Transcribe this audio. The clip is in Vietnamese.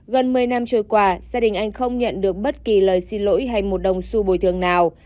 gần một mươi năm trôi qua gia đình anh không nhận được bất kỳ lời xin lỗi hay một đồng su bồi thường nào